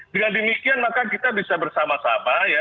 dengan demikian maka kita bisa bersama sama ya